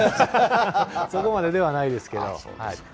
そこまでではないですけど。